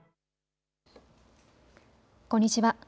こんにちは。